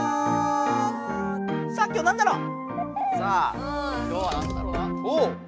さあきょうなんだろう？